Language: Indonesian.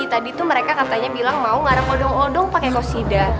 tadi tuh mereka katanya bilang mau ngarang odong odong pakai kosida